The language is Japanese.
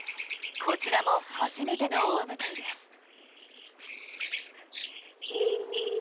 こちらも初めての大舞台です。